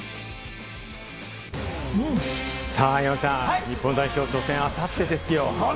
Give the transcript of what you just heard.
山ちゃん、日本代表、初戦、明後日ですよ。